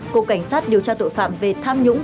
cục cảnh sát điều tra tội phạm về tham nhũng